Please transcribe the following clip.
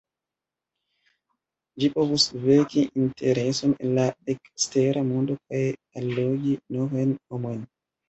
Ĝi povus veki intereson el la ekstera mondo kaj allogi novajn homojn.